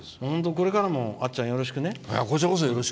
これからもあっちゃん、よろしくね。